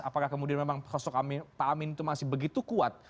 apakah kemudian memang sosok pak amin itu masih begitu kuat